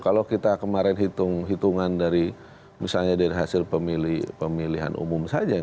kalau kita kemarin hitung hitungan dari misalnya dari hasil pemilihan umum saja